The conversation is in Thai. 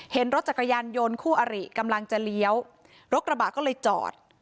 เห็นรถจักรยานยนต์คู่อริกำลังจะเลี้ยวรถกระบะก็เลยจอด